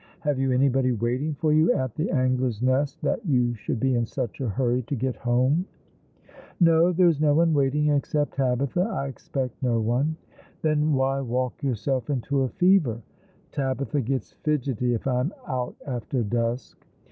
Have you anybody waiting for you at the Angler's Nest, that you should be in such a hurry to get home ?"" No, there is no one waiting, except Tabitha. I expect no one." " Then why walk yourself into a fever ?"" Tabitha gets fidgety if I am out after dusk."